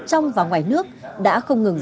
trong và ngoài nước đã không ngừng